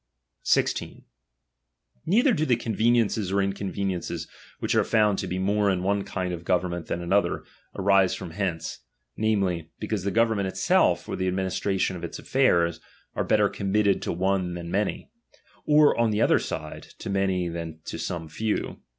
The inionrmi. 16. Neither do the conveniences or inconve ™™^n^d^g niences which are found to be more in one kind ,^"jy{^"''" of government than another, arise from hence, namely, because the goverament itself, or the ad I ministration of its aflfairs, are better committed to one than many ; or on the other side, to many than to some few.